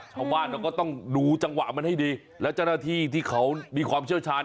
เราก็ต้องดูจังหวะมันให้ดีแล้วเจ้าหน้าที่ที่เขามีความเชี่ยวชาญ